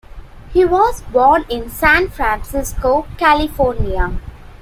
He was born in San Francisco, California.